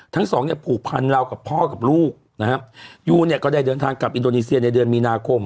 ทั้งสองเนี่ยผูกพันเรากับพ่อกับลูกนะฮะยูเนี่ยก็ได้เดินทางกลับอินโดนีเซียในเดือนมีนาคม